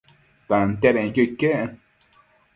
Tantiadenquio iquec